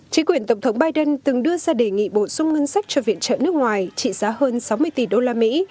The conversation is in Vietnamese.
chí quyền tổng thống biden từng đưa ra đề nghị bổ sung ngân sách cho viện trợ nước ngoài trị giá hơn sáu mươi tỷ đô la mỹ